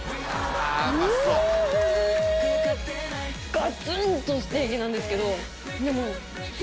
ガツンとステーキなんですけどでも。